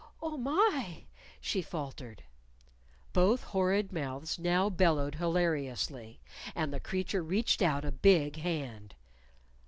oh, my!" she faltered. Both horrid mouths now bellowed hilariously. And the creature reached out a big hand.